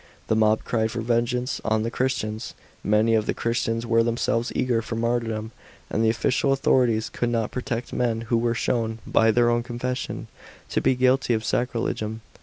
The mob cried for vengeance on the Christians ; many of the Christians were themselves eager for martyrdom, and the official authorities could not protect men who were shown, by their own confession, to be guilty of saerilcginm.